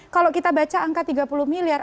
kalau kita baca angka tiga puluh miliar